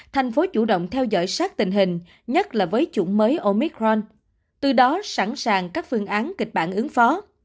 thành phố chủ động theo dõi sát tình hình nhất là với chủng mới omicron từ đó sẵn sàng các phương án kịch bản ứng phó